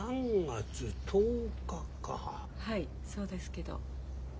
はいそうですけど。